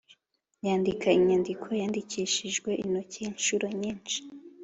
yandika inyandiko yandikishijwe intoki inshuro nyinshi.